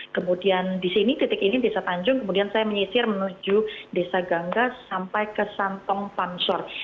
kemudian di sini titik ini desa tanjung kemudian saya menyisir menuju desa gangga sampai ke santong pansor